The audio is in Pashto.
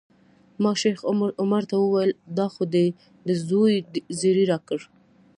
ما شیخ عمر ته وویل دا خو دې د زوی زیری راکړ.